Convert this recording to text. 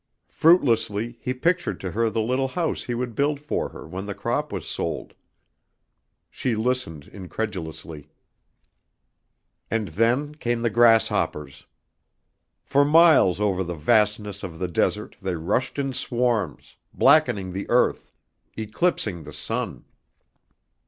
Fruitlessly he pictured to her the little house he would build for her when the crop was sold. She listened incredulously. And then came the grasshoppers. For miles over the vastness of the desert they rushed in swarms, blackening the earth, eclipsing the sun.